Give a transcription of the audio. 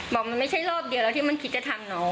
บอกมันไม่ใช่รอบเดียวแล้วที่มันคิดจะทำน้อง